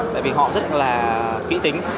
tại vì họ rất là kỹ tính